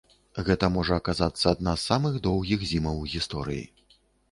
Гэта можа аказацца адна з самых доўгіх зімаў у гісторыі.